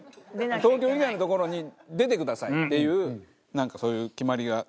東京以外の所に出てくださいっていうなんかそういう決まりができて。